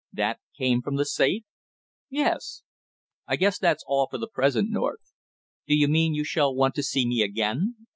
"That came from the safe?" "Yes." "I guess that's all for the present, North." "Do you mean you shall want to see me again?"